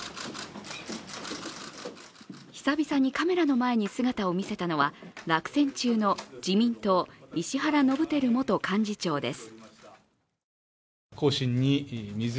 久々にカメラの前に姿を現したのは、落選中の自民党石原伸晃元幹事長です。